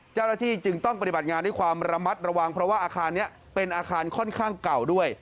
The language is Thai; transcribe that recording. เจ้าหน้าที่จึงต้องปฏิบัติงานด้วยความระมัดระวังเพราะว่าอาคารนี้เป็นอาคารค่อนข้างเก่าด้วย